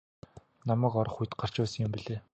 Намайг орох үед гарч байсан юм билээ.